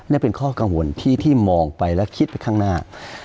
นี่เป็นข้อกังวลที่มองไปและคิดไปข้างหน้า